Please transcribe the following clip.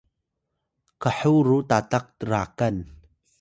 khuw ru tatak rakan